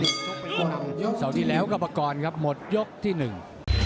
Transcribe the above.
สวัสดีแล้วกรับประกอบครับหมดยกที่หนึ่ง